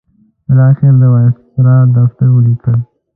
بالاخره د وایسرا دفتر ولیکل.